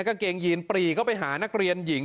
กางเกงยีนปรีเข้าไปหานักเรียนหญิง